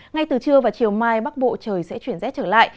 ngay từ trưa và chiều mai bắc bộ trời sẽ chuyển rét trở lại